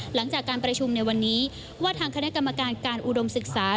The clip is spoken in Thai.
หลังจากการประชุมในวันนี้ว่าทางคณะกรรมการการอุดมศึกษา